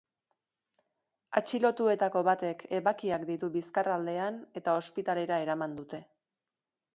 Atxilotuetako batek ebakiak ditu bizkar aldean eta ospitalera eraman dute.